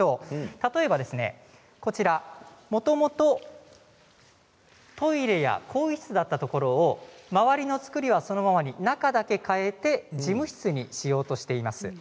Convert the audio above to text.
例えばこちらもともとトイレや更衣室だったところ周りの作りはそのままに中だけ変えて事務室にしようとしています。